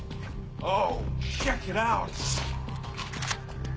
ああ。